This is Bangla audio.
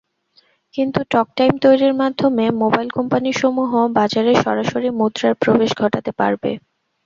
কিন্তু টকটাইম তৈরির মাধ্যমে মোবাইল কোম্পানিসমূহ বাজারে সরাসরি মুদ্রার প্রবেশ ঘটাতে পারবে।